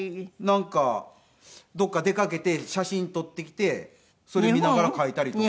なんかどこか出かけて写真撮ってきてそれ見ながら描いたりとか。